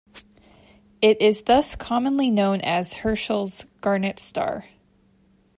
It is thus commonly known as Herschel's "Garnet Star".